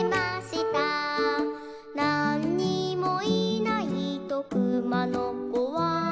「なんにもいないとくまのこは」